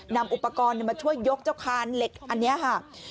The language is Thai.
นำอุปกรณ์มาช่วยยกเจ้าคานเหล็กอันนี้ค่ะ